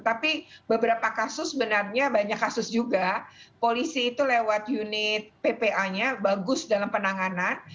tapi beberapa kasus sebenarnya banyak kasus juga polisi itu lewat unit ppa nya bagus dalam penanganan